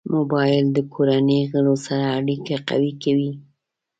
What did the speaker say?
موبایل د کورنۍ غړو سره اړیکه قوي کوي.